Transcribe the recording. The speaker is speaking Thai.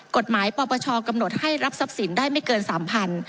กฎหมายปปชกำหนดให้รับทรัพย์สินได้ไม่เกินสามพัน